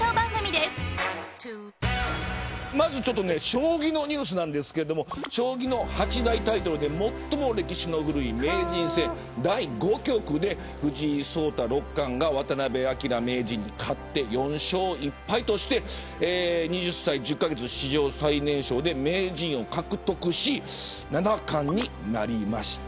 将棋のニュースですが将棋の八大タイトルで最も歴史の古い名人戦第５局で藤井聡太六冠が渡辺明名人に勝って４勝１敗として２０歳１０カ月、史上最年少で名人を獲得し七冠になりました。